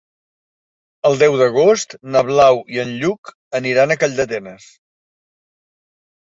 El deu d'agost na Blau i en Lluc aniran a Calldetenes.